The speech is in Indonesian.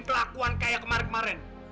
kelakuan kayak kemarin kemarin